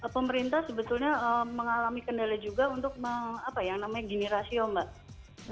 pemerintah sebetulnya mengalami kendala juga untuk apa yang namanya generasi ombak